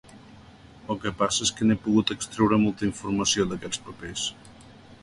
El que passa és que n'he pogut extreure molta informació, d'aquests papers.